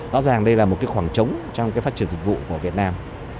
rõ ràng đây là một cái khoảng trống trong cái phát triển dịch vụ của việt nam